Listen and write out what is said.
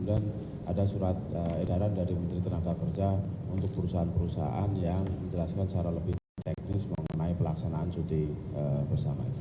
ada surat edaran dari menteri tenaga kerja untuk perusahaan perusahaan yang menjelaskan secara lebih teknis mengenai pelaksanaan cuti bersama itu